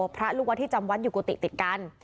พระลูกวัดที่จำวัดอยู่กุฏิติดกัน